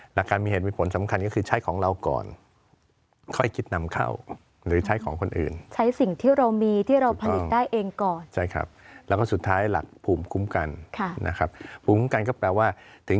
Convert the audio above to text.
หลักการมีเหตุมีผลสำคัญก็คือใช้ของเราก่อนค่อยคิดนำเข้า